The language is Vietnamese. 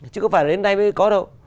chứ có phải đến đây mới có đâu